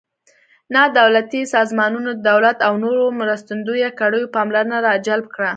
نا دولتي سازمانونو د دولت او نورو مرستندویه کړیو پاملرنه را جلب کړه.